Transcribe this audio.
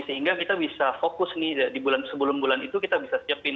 sehingga kita bisa fokus nih di bulan sebelum bulan itu kita bisa siapin